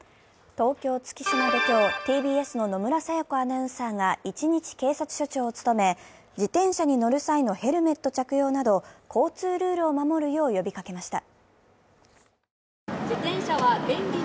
東京・月島で今日、ＴＢＳの野村彩也子アナウンサーが一日警察署長を務め、自転車に乗る際のヘルメット着用など交通ルールを守るよう呼びかけました。